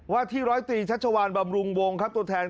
ว่าที่ร้อยตรีชัชวานบำรุงวงครับตัวแทน